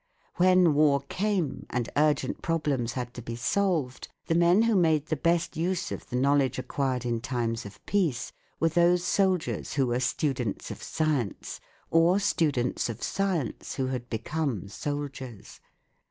When war came, and urgent problems had to be solved, the men who made the best use of the knowledge acquired in times of peace were those soldiers who were students of science, or students of science who had become soldiers.